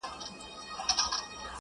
گوره په ما باندي ده څومره خپه ـ